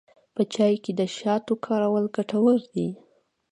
په چای کې د شاتو کارول ګټور دي.